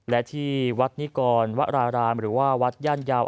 และที่วัดนิกรวรารามหรือว่าวัดย่านยาว